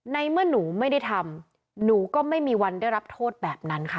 ในเมื่อหนูไม่ได้ทำหนูก็ไม่มีวันได้รับโทษแบบนั้นค่ะ